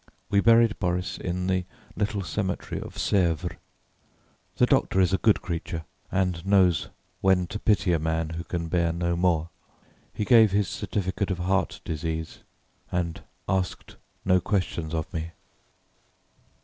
We buried Boris in the little cemetery of Sèvres. The doctor is a good creature, and knows when to pity a man who can bear no more. He gave his certificate of heart disease and asked no questions of me."